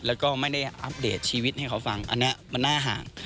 แล้วก็ไม่ได้อัปเดตชีวิตให้เขาฟังอันนี้มันน่าห่าง